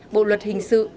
bộ luật hình sự